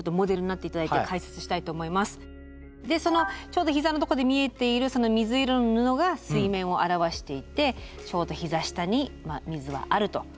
ちょうどひざのとこで見えているその水色の布が水面を表していてちょうどひざ下に水はあると。